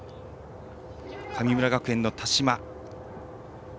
神村学園の田島。